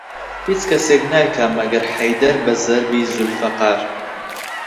هیچ کەسێک نایکا مەگەر حەیدەر بە زەربی زولفەقار